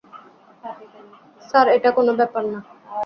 Sir, এটা কোনো ব্যাপার না।